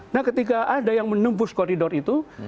nah ketika ada yang menembus koridor itu